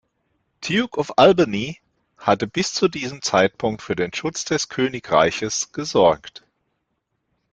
Duke of Albany, hatte bis zu diesem Zeitpunkt für den Schutz des Königreiches gesorgt.